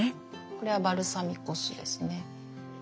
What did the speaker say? これはバルサミコ酢ですね。